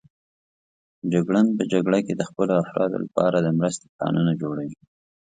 جګړن په جګړه کې د خپلو افرادو لپاره د مرستې پلانونه جوړوي.